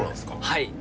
はい。